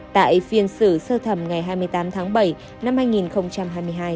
tại phiên xử sơ thẩm ngày hai mươi tám tháng bảy năm hai nghìn hai mươi hai